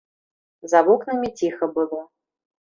За вокнамі ціха было.